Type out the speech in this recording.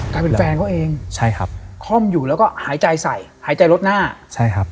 กลายเป็นแฟนเขาเองใช่ครับค่อมอยู่แล้วก็หายใจใส่หายใจลดหน้าใช่ครับ